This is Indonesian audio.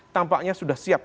tampaknya sudah siap